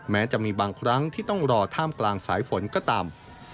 แม้จะมีบางครั้งที่ต้องรอท่ามกลางสายฝนก็ตาม